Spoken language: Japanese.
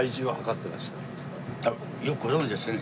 よくご存じですね。